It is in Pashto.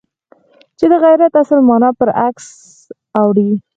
چې د غیرت اصل مانا پر برعکس اوړي.